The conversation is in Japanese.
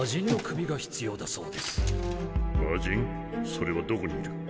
それはどこにいる？